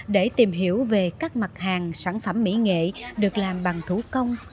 để tìm hiểu về các mặt hàng sản phẩm mỹ nghệ được làm bằng thủ công